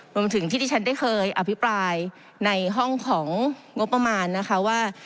รวมถึงที่ที่ฉันได้เคยอภิปรายในห้องของงบประมาณนะคะว่า